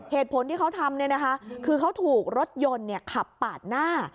เหตุผลที่เขาทำคือเขาถูกรถยนต์ขับปาดหน้า